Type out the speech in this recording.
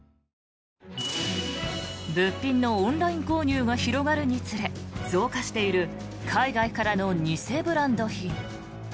物品のオンライン購入が広がるにつれ、増加している海外からの偽ブランド品。